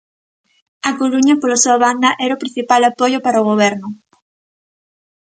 A Coruña, pola súa banda, era o principal apoio para o Goberno.